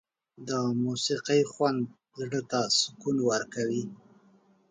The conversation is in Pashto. د موسيقۍ خوند زړه ته سکون ورکوي.